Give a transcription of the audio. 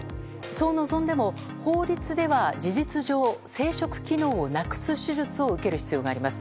そう望んでも法律では、事実上生殖機能をなくす手術を受ける必要があります。